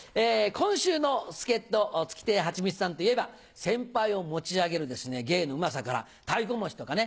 今週の助っ人月亭八光さんといえば先輩を持ち上げる芸のうまさからたいこ持ちとかね